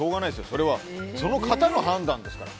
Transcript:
それは、その方の判断ですから。